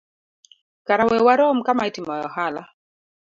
kara we warom kama itimoe ohala.